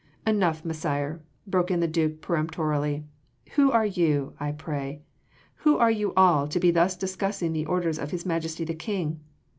"Enough, Messire," broke in the Duke peremptorily, "who are you, I pray, who are you all to be thus discussing the orders of His Majesty the King?